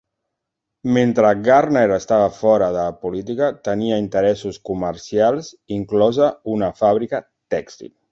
Mentre Gardner estava fora de la política, tenia interessos comercials, inclosa una fàbrica tèxtil.